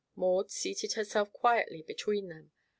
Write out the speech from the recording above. Maud seated herself quietly between them.